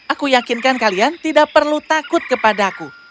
aku yakinkan kalian tidak perlu takut kepadaku